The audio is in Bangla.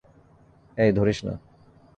অ্যাই, ধরিস না!